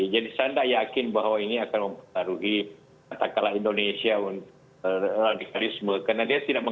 jadi saya tidak yakin bahwa ini akan mempertaruhi katakanlah indonesia untuk radikalisme